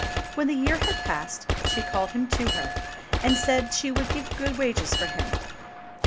When the year had passed, she called him to her, and said she had good wages for him.